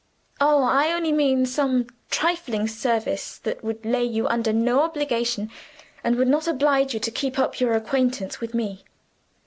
Oh, I only mean some trifling service that would lay you under no obligation, and would not oblige you to keep up your acquaintance with me."